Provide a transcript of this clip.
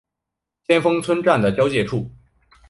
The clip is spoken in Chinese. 先锋村站的交界处。